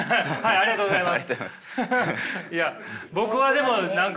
ありがとうございます。